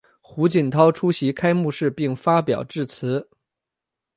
胡锦涛出席开幕式并发表致辞。